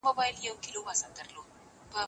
بابر په یوه هفته کې پنځه ځلې پوهنتون ټه ځي.